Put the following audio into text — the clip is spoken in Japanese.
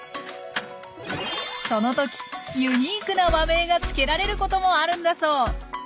そのときユニークな和名がつけられることもあるんだそう。